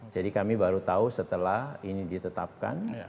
jadi kami baru tahu setelah ini ditetapkan